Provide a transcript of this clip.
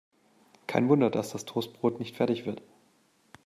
Kein Wunder, dass das Toastbrot nicht fertig wird.